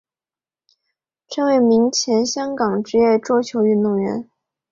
陈伟明前香港职业桌球运动员。